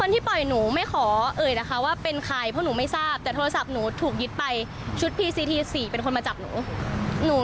ถ้าเกิดเอารูปออกไปแล้วเปิดเพลยขนาดนี้